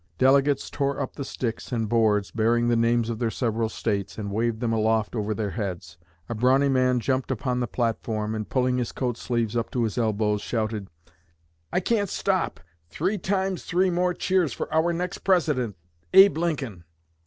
Delegates tore up the sticks and boards bearing the names of their several States, and waved them aloft over their heads. A brawny man jumped upon the platform, and pulling his coat sleeves up to his elbows, shouted: 'I can't stop! Three times three more cheers for our next President, Abe Lincoln!'